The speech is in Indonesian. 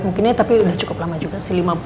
mungkin ya tapi udah cukup lama juga sih